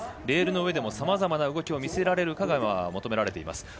レールの上でもさまざまな動きを見せられるかが求められています。